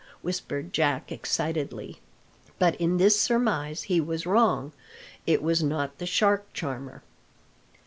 whispered Jack excitedly. But in this surmise he was wrong. It was not the shark charmer.